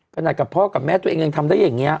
ขนาดกับพ่อกับแม่ตัวเองยังทำได้อย่างนี้